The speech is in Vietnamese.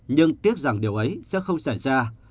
nhưng tiếc rằng điều ấy sẽ không xảy ra